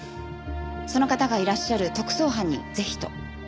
その方がいらっしゃる特捜班にぜひと。